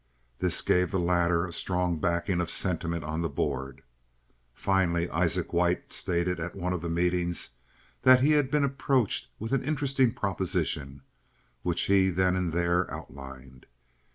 This gave the latter a strong backing of sentiment on the board. Finally Isaac White stated at one of the meetings that he had been approached with an interesting proposition, which he then and there outlined.